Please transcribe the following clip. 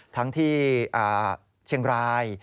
ทั้งที่เชียงราย